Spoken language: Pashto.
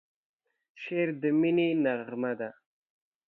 شعر د مینې نغمه ده.